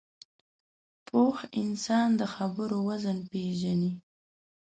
پوه انسان د خبرو وزن پېژني